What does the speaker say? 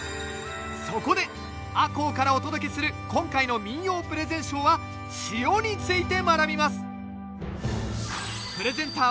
そこで赤穂からお届けする今回の民謡プレゼンショーは塩について学びます！